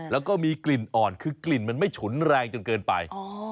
แล้วก็มีกลิ่นอ่อนคือกลิ่นมันไม่ฉุนแรงจนเกินไป